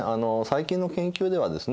最近の研究ではですね